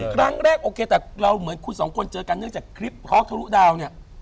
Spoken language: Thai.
ครั้งแรกโอเคแต่เราเหมือนคุณสองคนเจอกันเนื่องจากคลิปฮอกทะลุดาวเนี่ย